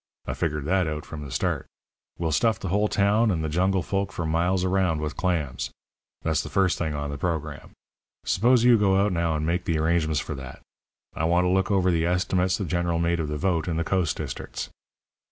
I figured that out from the start. We'll stuff the whole town and the jungle folk for miles around with clams. That's the first thing on the programme. Suppose you go out now, and make the arrangements for that. I want to look over the estimates the General made of the vote in the coast districts.'